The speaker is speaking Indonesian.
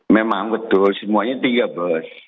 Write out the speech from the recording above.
memang betul semuanya tiga bus